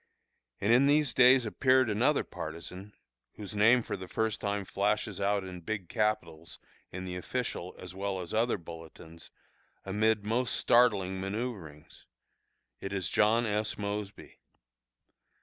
And in these days appeared another partisan, whose name for the first time flashes out in big capitals in the official as well as other bulletins, amid most startling manoeuvrings: it is John S. Mosby.